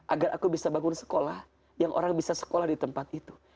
agar aku bisa bangun sekolah yang orang bisa sekolah di tempat itu